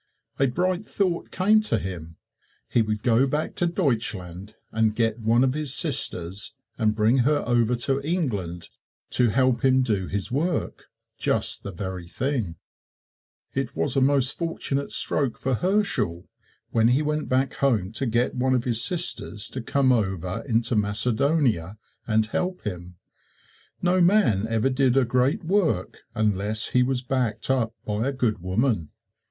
A bright thought came to him! He would go back to Deutschland and get one of his sisters, and bring her over to England to help him do his work just the very thing! It was a most fortunate stroke for Herschel when he went back home to get one of his sisters to come over into Macedonia and help him. No man ever did a great work unless he was backed up by a good woman.